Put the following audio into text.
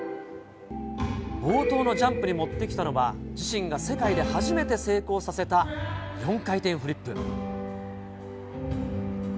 冒頭のジャンプに持ってきたのは、自身が世界で初めて成功させた４回転フリップ。